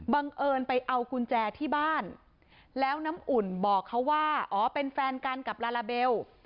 บังเอิญไปเอากุญแจที่บ้านแล้วน้ำอุ่นบอกเขาว่าอ๋อเป็นแฟนกันกับลาลาเบล